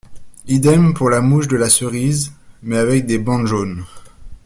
Idem pour la mouche de la cerise mais avec des bandes jaunes.